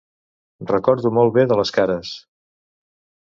Recordo molt bé de les cares.